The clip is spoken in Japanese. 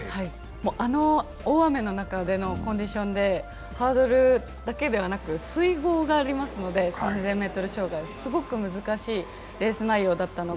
あの大雨の中でのコンディションで、ハードルだけではなく水濠がありますので３０００ｍ障害、すごく難しいレース内容だったのが